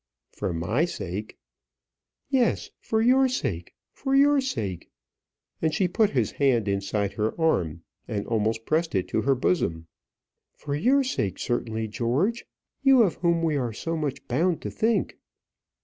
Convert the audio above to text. "For my sake!" "Yes, for your sake; for your sake;" and she put his hand inside her arm, and almost pressed it to her bosom. "For your sake, certainly, George; you of whom we are so much bound to think."